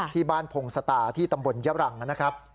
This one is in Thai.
ที่บ้านโพงศตาร์ที่ตำบลเยี๊บลังห์นะครับ